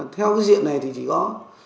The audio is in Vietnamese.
theo cái diện này thì chỉ có